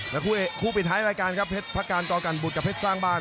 และคู่ปิดท้ายรายการครับเพชรพระการกอกันบุตรกับเพชรสร้างบ้าน